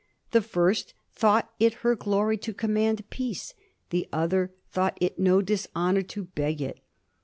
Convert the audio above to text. The first thought it her glory to command peace; the other thought it no dishonor to beg it.